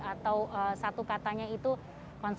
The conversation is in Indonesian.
atau satu katanya itu konsep